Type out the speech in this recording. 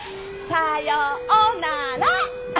さよおなら！